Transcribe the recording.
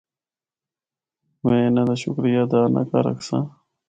کہ میں اناں دا شکریہ ادا نہ کر ہکساں۔